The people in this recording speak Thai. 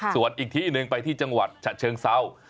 ส่วนอีกที่หนึ่งไปที่จังหวัดฉะเชิงเศร้า